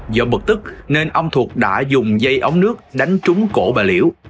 do bực tức nên ông thuật đã dùng dây ống nước đánh trúng cổ bà liễu